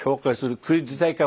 クイズ大会？